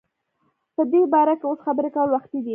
په دی باره کی اوس خبری کول وختی دی